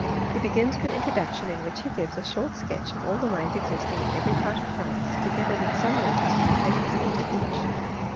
He begins with an introduction, in which he gives a short sketch of all the mines existing in every part of France, together with some notice of the present state of each.